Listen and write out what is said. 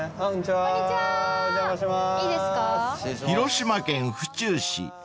［広島県府中市